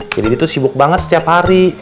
jadi dia tuh sibuk banget setiap hari